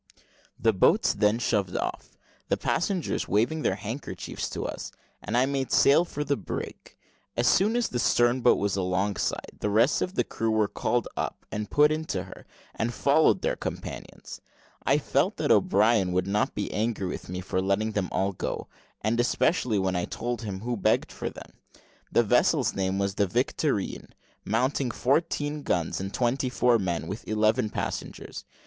The boats then shoved off, the passengers waving their handkerchiefs to us, and I made sail for the brig. As soon as the stern boat was alongside, the rest of the crew were called up and put into her, and followed their companions. I felt that O'Brien would not be angry with me for letting them all go; and especially when I told him who begged for them. The vessel's name was the Victorine, mounting fourteen guns, and twenty four men, with eleven passengers.